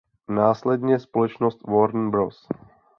Následně společnost Warner Bros.